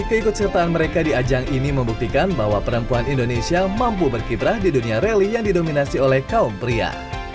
keikutsertaan mereka di ajang ini membuktikan bahwa perempuan indonesia mampu berkiprah di dunia rally yang didominasi oleh kaum pria